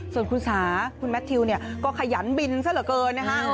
ส่วนคุณสาคุณแมททิวเนี่ยก็ขยันบินซะเหลือเกินนะฮะ